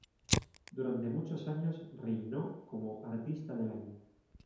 Durante muchos años reinó como "Artista del Año".